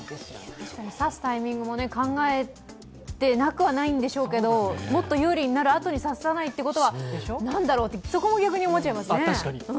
確かに指すタイミングも考えてなくはないんでしょうけどもっと有利になる、後に指さないということはそこも逆に思っちゃいますね。